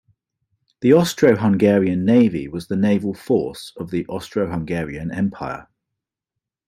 The Austro-Hungarian Navy was the naval force of the Austro-Hungarian Empire.